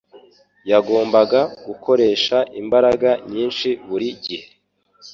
Yagombaga gukoresha imbaraga nyinshi buri gihe